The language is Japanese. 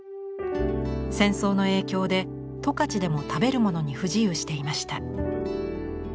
戦争の影響で十勝でも食べる物に不自由していました。